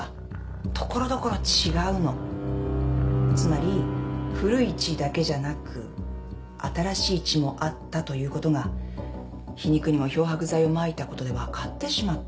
つまり古い血だけじゃなく新しい血もあったということが皮肉にも漂白剤をまいたことで分かってしまったわけ。